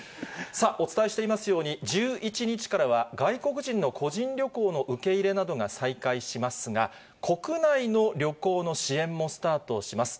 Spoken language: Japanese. さあ、お伝えしていますように、１１日からは、外国人の個人旅行の受け入れなどが再開しますが、国内の旅行の支援もスタートします。